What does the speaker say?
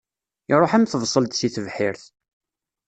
Iṛuḥ am tebṣelt si tebḥirt.